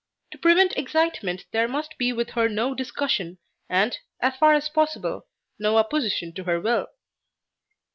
To prevent excitement there must be with her no discussion, and, as far as possible, no opposition to her will.